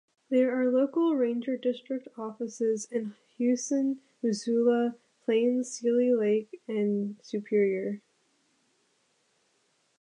There are local ranger district offices in Huson, Missoula, Plains, Seeley Lake, and Superior.